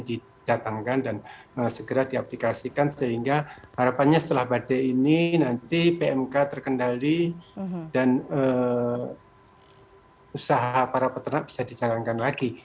didatangkan dan segera diaplikasikan sehingga harapannya setelah badai ini nanti pmk terkendali dan usaha para peternak bisa dijalankan lagi